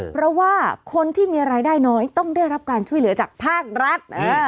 เพราะว่าคนที่มีรายได้น้อยต้องได้รับการช่วยเหลือจากภาครัฐ